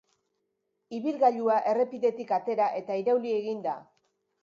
Ibilgailua errepidetik atera eta irauli egin da.